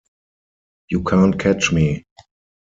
You can't catch me.